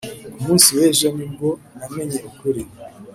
ku munsi w'ejo ni bwo namenye ukuri.